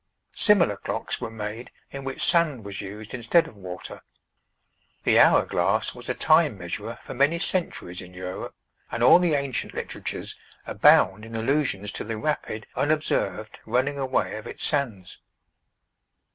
Similar clocks were made in which sand was used instead of water. The hour glass was a time measurer for many centuries in Europe, and all the ancient literatures abound in allusions to the rapid, unobserved, running away of its sands.